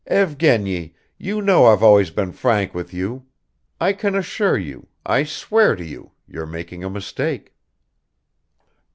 "Evgeny, you know I've always been frank with you; I can assure you, I swear to you, you're making a mistake."